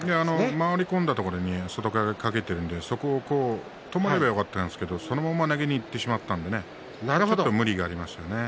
回り込んだところで外掛けをかけているので止まればよかったんですけれどもそのまま投げにいったのでちょっと無理がありましたね。